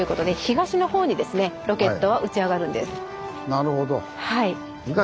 なるほど。